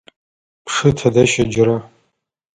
Пшы тыдэ щеджэра?